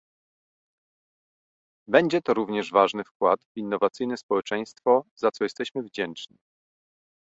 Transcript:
Będzie to również ważny wkład w innowacyjne społeczeństwo, za co jesteśmy wdzięczni